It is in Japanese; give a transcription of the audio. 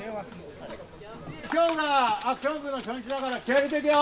今日がアクション部の初日だから気合い入れていけよ！